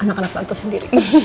anak anak tante sendiri